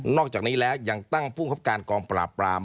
อกจากนี้แล้วยังตั้งภูมิคับการกองปราบปราม